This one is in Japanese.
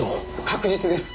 確実です！